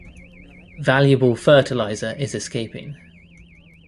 Valuable fertilizer is escaping.